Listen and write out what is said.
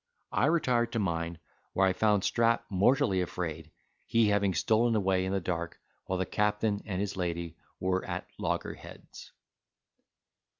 I retired to mine, where I found Strap mortally afraid, he having stolen away in the dark while the captain and his lady were at loggerheads.